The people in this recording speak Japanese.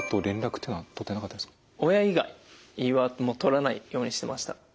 親以外はもう取らないようにしてました。